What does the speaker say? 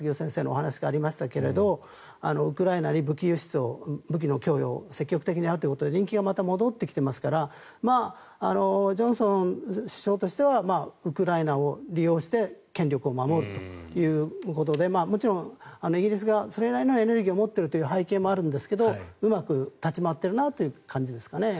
お話がありましたがウクライナに武器の供与を積極的にやるということで人気がまた戻ってきてますからジョンソン首相としてはウクライナを利用して権力を守るということでもちろんイギリスがそれなりのエネルギーを持っているという背景もあるんですがうまく立ち回っているなという感じですかね。